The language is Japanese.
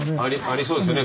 ありそうですよね